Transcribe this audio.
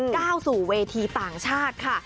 ก้าวสู่เวทีต่างชาติค่ะ